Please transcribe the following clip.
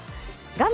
画面